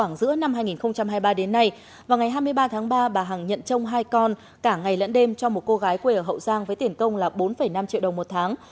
ngày hai mươi ba tháng ba bà hằng nhận trông hai con cả ngày lẫn đêm cho một cô gái quê ở hậu giang với tiền công là bốn năm triệu đồng một tháng